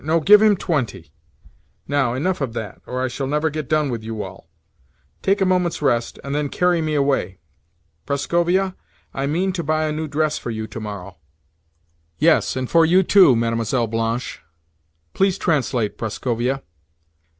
"No, give him twenty. Now, enough of that, or I shall never get done with you all. Take a moment's rest, and then carry me away. Prascovia, I mean to buy a new dress for you tomorrow. Yes, and for you too, Mlle. Blanche. Please translate, Prascovia."